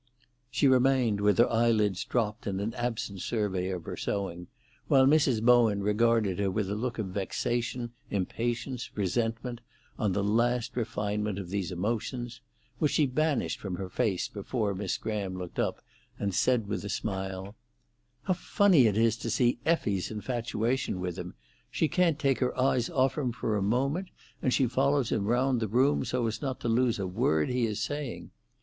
She remained with her eyelids dropped in an absent survey of her sewing, while Mrs. Bowen regarded her with a look of vexation, impatience, resentment, on the last refinement of these emotions, which she banished from her face before Miss Graham looked up and said, with a smile "How funny it is to see Effie's infatuation with him! She can't take her eyes off him for a moment, and she follows him round the room so as not to lose a word he is saying.